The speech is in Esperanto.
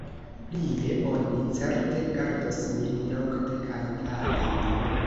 Plie, oni certe gardos min nokte kaj tage.